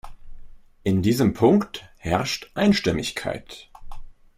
In diesem Punkt herrscht Einstimmigkeit.